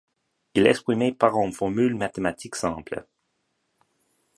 Il est exprimé par une formule mathématique simple.